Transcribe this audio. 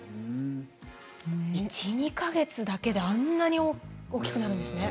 １、２か月だけであんなに大きくなるんですね。